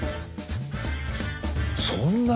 そんなに？